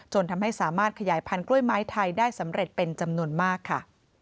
ทำให้สามารถขยายพันธุ์กล้วยไม้ไทยได้สำเร็จเป็นจำนวนมากค่ะ